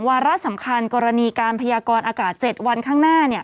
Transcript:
วาระสำคัญกรณีการพยากรอากาศ๗วันข้างหน้า